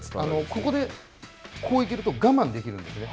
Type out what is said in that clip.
ここでこう行けると、我慢できるんですね。